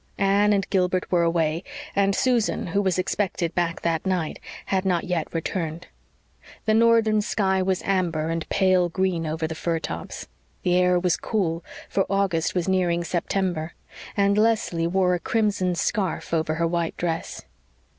Anne and Gilbert were away, and Susan, who was expected back that night, had not yet returned. The northern sky was amber and pale green over the fir tops. The air was cool, for August was nearing September, and Leslie wore a crimson scarf over her white dress.